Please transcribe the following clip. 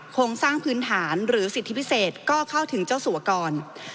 โครงสร้างพื้นฐานหรือสิทธิพิเศษก็เข้าถึงเจ้าสัวกร